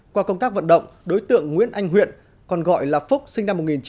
qua công tác vận động đối tượng nguyễn anh huyện còn gọi là phúc sinh năm một nghìn chín trăm tám mươi